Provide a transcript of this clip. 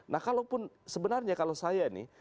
nah kalaupun sebenarnya kalau saya nih